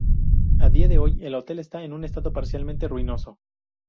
A día de hoy, el hotel está en un estado parcialmente ruinoso.